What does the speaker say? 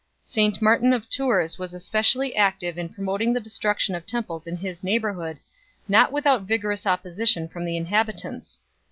St Martin of Tours was especially active in promoting the destruction of temples in his neighbourhood, not without vigorous opposition from the inhabitants 1